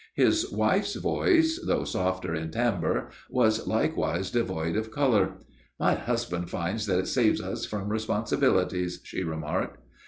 His wife's voice, though softer in timbre, was likewise devoid of colour. "My husband finds that it saves us from responsibilities," she remarked.